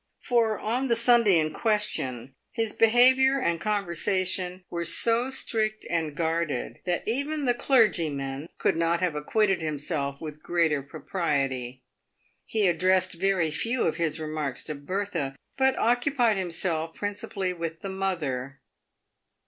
For on the Sunday in question his behaviour and conversation were so strict and guarded that even the clergyman PAVED WITH GOLD. 277 could not have acquitted himself with greater propriety. He ad dressed very few of his remarks to Bertha, but occupied himself prin cipally with the mother.